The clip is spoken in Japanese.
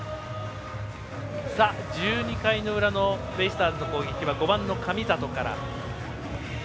１２回の裏のベイスターズの攻撃は５番の神里から。